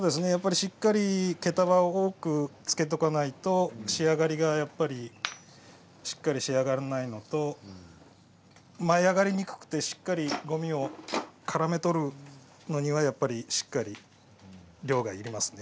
しっかり毛束を多くつけておかないと仕上がりができないので舞い上がりにくくてしっかりごみをからめ捕るのにしっかりと量がいりますね。